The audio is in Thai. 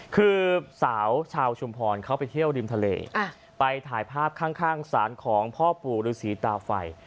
คือสาวชาวชุมพรเขาไปเที่ยวริมทะเลไปถ่ายภาพข้างศาลของพ่อปู่ฤษีตาไฟ